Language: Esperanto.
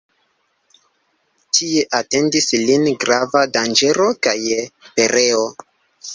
Tie atendis lin grava danĝero kaj pereo.